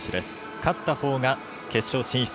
勝ったほうが、決勝進出。